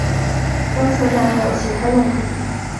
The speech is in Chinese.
观测站还有其它用途。